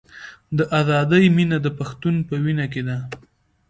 د ازادۍ مینه د پښتون په وینه کې ده.